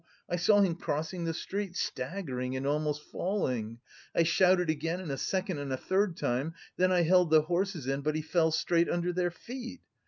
I saw him crossing the street, staggering and almost falling. I shouted again and a second and a third time, then I held the horses in, but he fell straight under their feet!